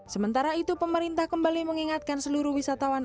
sementara itu pemerintah kembali mengingatkan seluruh wisatawan